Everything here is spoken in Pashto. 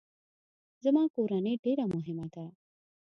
زما کورنۍ ډیره مهمه ده